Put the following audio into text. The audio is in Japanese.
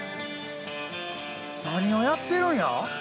何をやってるんや？